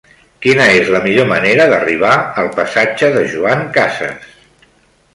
Quina és la millor manera d'arribar al passatge de Joan Casas?